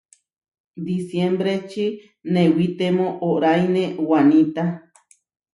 Disiembreči newitemó óʼraine wanita.